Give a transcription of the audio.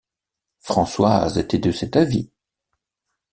Françoise était de cet avis.